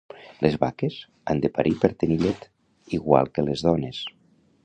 Les vaques han de parir per tenir llet, igual que les dones.